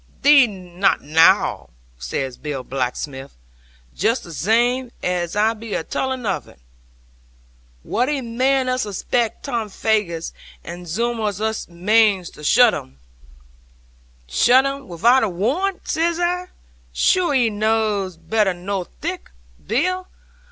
'"Thee not knaw!" says Bill Blacksmith, just the zame as I be a tullin of it: "whai, man, us expex Tam Faggus, and zum on us manes to shutt 'un." '"Shutt 'un wi'out a warrant!" says I: "sure 'ee knaws better nor thic, Bill!